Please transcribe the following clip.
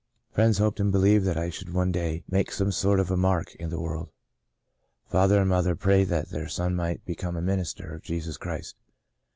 " Friends hoped and believed that I should one day make some sort of a mark in the world. Father and mother prayed that their son might become a minister of Jesus Christ.